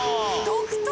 独特！